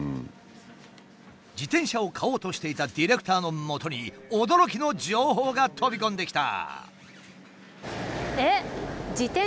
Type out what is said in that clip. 自転車を買おうとしていたディレクターのもとに驚きの情報が飛び込んできた。